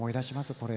これ。